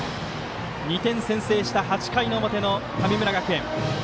２点先制した８回の表の神村学園。